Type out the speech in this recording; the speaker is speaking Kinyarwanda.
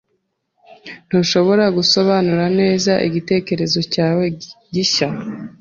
Ntushobora gusobanura neza igitekerezo cyawe gishya?